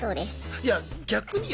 いや逆によ？